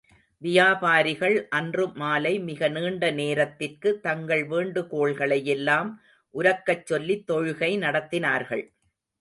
வியாபாரிகள் அன்று மாலை மிக நீண்ட நேரத்திற்கு, தங்கள் வேண்டுகோள்களையெல்லாம் உரக்கச் சொல்லித் தொழுகை நடத்தினார்கள்.